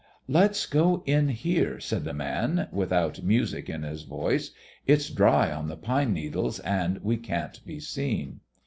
"Let's go in here," said the man, without music in his voice. "It's dry on the pine needles, and we can't be seen."